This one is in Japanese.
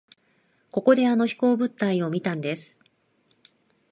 ここであの飛行物体を見たんです。